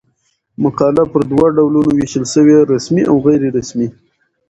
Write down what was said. مقاله پر دوه ډولونو وېشل سوې؛ رسمي او غیري رسمي.